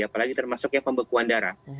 apalagi termasuknya pembekuan darah